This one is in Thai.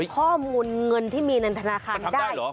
ข้อมูลเงินที่มีในธนาคารได้